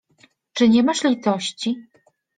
Czy nie masz litości?